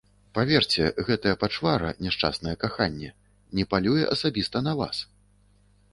Паверце, гэтая пачвара, няшчаснае каханне, не палюе асабіста на вас!